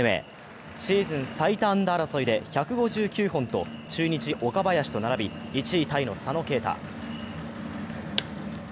シーズン最多安打争いで１５９本と中日・岡林と並び１位タイの佐野恵太。